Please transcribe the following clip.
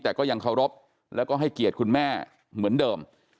แต่ก็ยังเคารพแล้วก็ให้เกียรติคุณแม่เหมือนเดิม